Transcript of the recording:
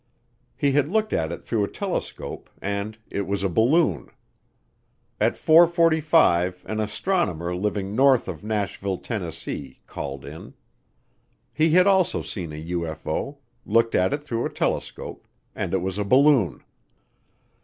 He had looked at it through a telescope and it was a balloon. At four forty five an astronomer living north of Nashville, Tennessee, called in. He had also seen a UFO, looked at it through a telescope, and it was a balloon.